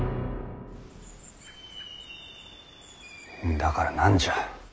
だから何じゃ。